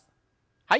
はい。